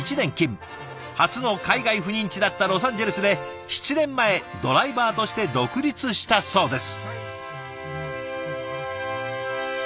初の海外赴任地だったロサンゼルスで７年前ドライバーとして独立したそうです。